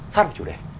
sát một chủ đề